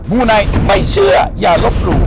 มูไนท์ไม่เชื่ออย่าลบหลู่